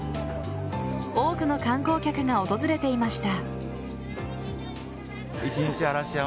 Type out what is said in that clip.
多くの観光客が訪れていました。